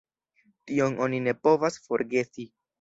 Tion oni ne povas forgesi.